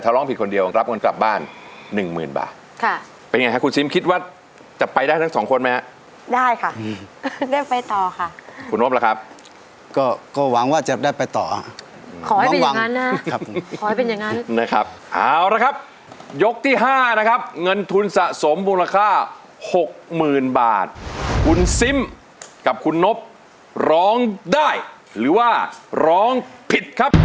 โทษให้โทษให้โทษให้โทษให้